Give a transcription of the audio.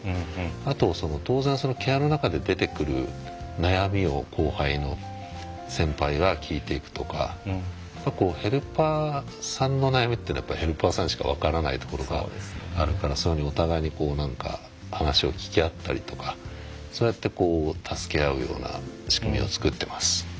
あと当然、ケアの中で出てくる悩みを後輩の先輩が聞いていくとか結構、ヘルパーさんの悩みっていうのはヘルパーさんにしか分からないところがあるからそうやってお互いに話を聞きあったりとかそうやって助け合うような仕組みを作っています。